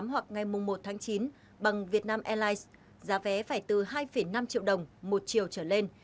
hoặc ngày một tháng chín bằng vietnam airlines giá vé phải từ hai năm triệu đồng một triệu trở lên